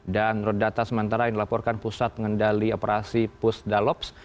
dan menurut data sementara yang dilaporkan pusat mengendali operasi pusdalops